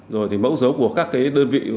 rồi thì mẫu dấu của các cái đơn vị